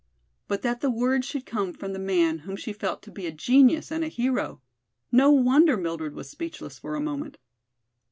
But that the words should come from the man whom she felt to be a genius and a hero! No wonder Mildred was speechless for a moment.